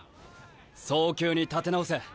早急に立て直せ。